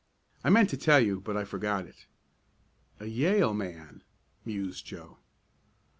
I meant to tell you, but I forgot it." "A Yale man," mused Joe.